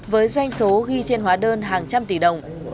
với doanh số ghi trên hóa đơn hàng trăm tỷ đồng